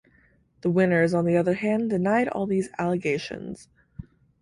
The winners, on the other hand, denied all these allegations.